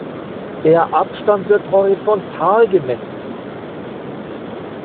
Der Abstand wird horizontal gemessen.